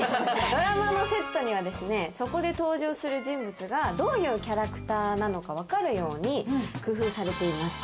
ドラマのセットには、そこで登場する人物がどういうキャラクターなのかわかるように工夫されています。